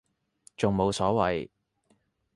仲冇所謂